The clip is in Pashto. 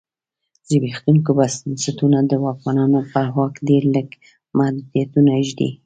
زبېښونکي بنسټونه د واکمنانو پر واک ډېر لږ محدودیتونه ږدي.